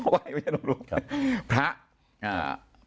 ขอไว้ไม่ใช่ประมาธิ